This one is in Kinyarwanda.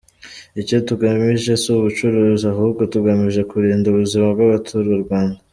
Icyo tugamije si ubucuruzi, ahubwo tugamije kurinda ubuzima bw’abaturarwanda.